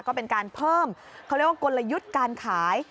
ก็เป็นการเพิ่มเขาเรียกว่ากลยุทธ์การขาย